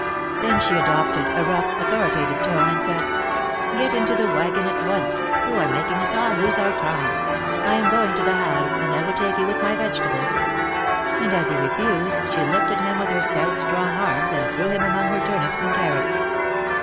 Then she adopted a rough, authoritative tone, and said : Get into the wagon at once ! You are making us all lose our time. I am going to the Halles, and I will take you with my vegetables;" and as he refused, she lifted him with her stout, strong arms, and threw him among her turnips and carrots.